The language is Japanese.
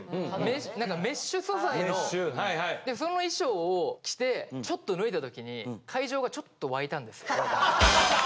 メッシュ素材のその衣装を着てちょっと脱いだ時に会場がちょっと沸いたんですよ。